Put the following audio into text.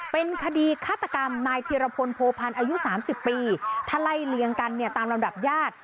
เป็นคดีฆาตกรรมนายธีรพลโพพันธ์อายุ๓๐ปีถ้าไล่เลียงกันเนี่ยตามลำดับญาติ